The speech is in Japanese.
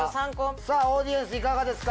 さあオーディエンスいかがですか？